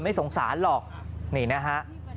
ไม่สงสารหรอกนี่นะฮะ